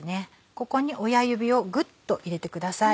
ここに親指をグッと入れてください。